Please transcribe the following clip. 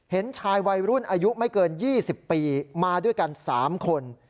เห็นชายวัยรุ่นอายุไม่เกิน๒๐ปีมาด้วยกัน๓คน